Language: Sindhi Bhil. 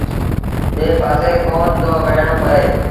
ٻي پآسي ڪونا دو وهيڻو پئي۔